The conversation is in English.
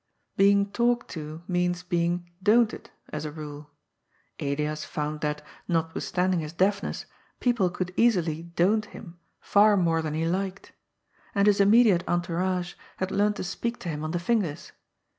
Being talked to means being '' don'ted,'' as a rule. Elias found that, notwithstanding his deafness, people could easily don't him far more than he liked. And his imme diate entourage had learnt to speak to him on the fingers.